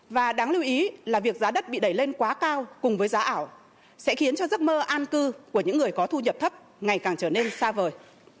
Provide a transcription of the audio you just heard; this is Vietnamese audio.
và đáng lưu ý là việc giá đất bị đẩy lên quá cao cùng với giá ảo sẽ khiến cho giấc mơ an cư của những người có thu nhập thấp ngày càng trở nên xa vời